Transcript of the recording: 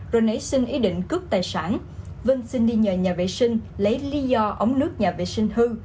rồi nấy xin ý định cướp tài sản vinh xin đi nhờ nhà vệ sinh lấy lý do ống nước nhà vệ sinh hư